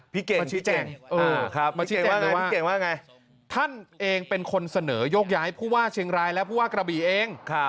เก่งชี้แจงมาชี้แจงเลยพี่เกดว่าไงท่านเองเป็นคนเสนอโยกย้ายผู้ว่าเชียงรายและผู้ว่ากระบี่เอง